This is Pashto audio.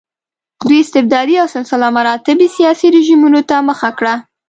دوی استبدادي او سلسله مراتبي سیاسي رژیمونو ته مخه کړه.